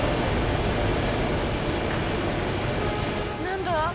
何だ？